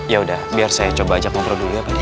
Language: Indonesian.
ya udah biar saya coba ajak ngobrol dulu ya pak ya